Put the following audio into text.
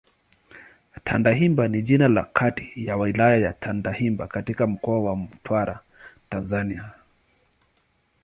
Tandahimba ni jina la kata ya Wilaya ya Tandahimba katika Mkoa wa Mtwara, Tanzania.